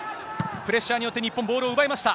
プレッシャーによって、日本、ボールを奪えました。